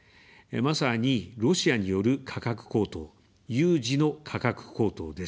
まさに、ロシアによる価格高騰、有事の価格高騰です。